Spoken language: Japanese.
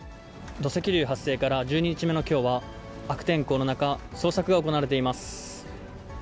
土石流発生から１２日目のきょうは、悪天候の中、捜索が行われています。